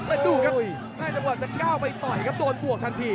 แต่ดูครับน่าจะก้าวไปต่อยครับโดนบวกทันที